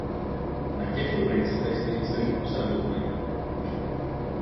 Na těchto principech stojí celý obsah dokumentu.